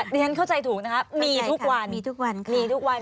ดิฉันเข้าใจถูกนะครับมีทุกวัน